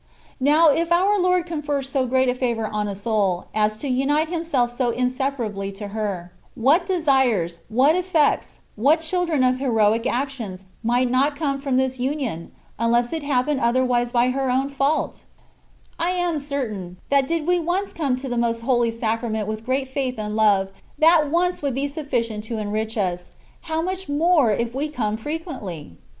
Now, if our Lord confer so great a favour on a soul, as to unite Himself so inseparably to her, what desires, what effects, what children of heroic actions,* might not come from this union, unless it happen otherwise by her own fault ! I am certain, that did we once come to 4( Que hijos de obras heroXcae podHm nacer de alli 1 " CONCEPTIONS OF DIVINE LOVE. 251 the Most Holy Sacrament with great fisdth and love, that once would be sufficient to enrich us ; how much more if we come frequently